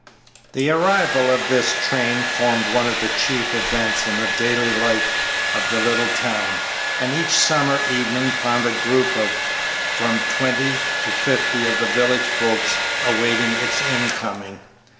The arrival of this train formed one of the chief events in the daily life of the little town, and each summer evening found a group of from twenty to fifty of the village folk awaiting its incoming.